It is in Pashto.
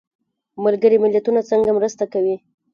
ملګري ملتونه څنګه مرسته کوي؟